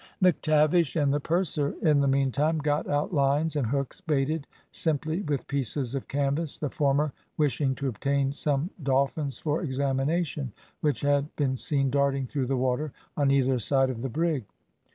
McTavish and the purser in the meantime got out lines and hooks baited simply with pieces of canvas, the former wishing to obtain some dolphins for examination, which had been seen darting through the water on either side of the brig.